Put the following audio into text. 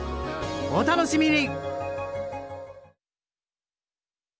お楽しみに！